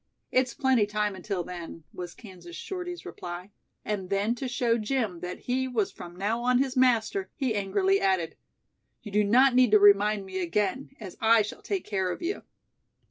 "It's plenty time until then," was Kansas Shorty's reply, and then to show Jim that he was from now on his master, he angrily added: "You do not need to remind me again, as I shall take care of you."